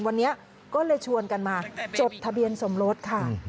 วันนี้ก็เลยชวนกันมาจดทะเบียนสมรสค่ะ